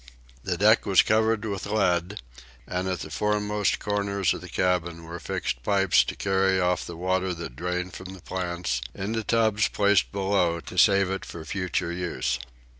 The deck was covered with lead, and at the foremost corners of the cabin were fixed pipes to carry off the water that drained from the plants into tubs placed below to save it for future use.